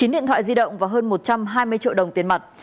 chín điện thoại di động và hơn một trăm hai mươi triệu đồng tiền mặt